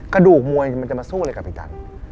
กระดูกมวยมันจะมาสู้เลยกับอีกจัง